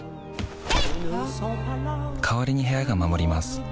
代わりに部屋が守ります